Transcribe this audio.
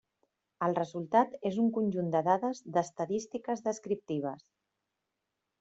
El resultat és un conjunt de dades d’estadístiques descriptives.